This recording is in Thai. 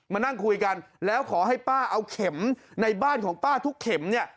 มานั่งคุยกันแล้วขอให้ป้าเอาเข็มในบ้านของป้าทุกเข็มเนี่ย